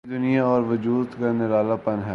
یہی دنیا اور وجود کا نرالا پن ہے۔